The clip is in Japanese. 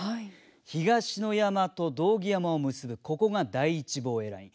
東野山と堂木山を結ぶここが第１防衛ライン。